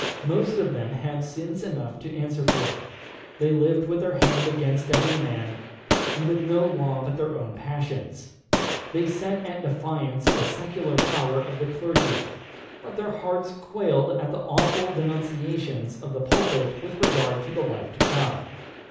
Most of them had sins enough to answer for. They lived with their hand against every man, and with no law but their own passions. They set at defiance the secular power of the clergy; but their hearts quailed at the awful denunciations of the pulpit with regard to the life to come.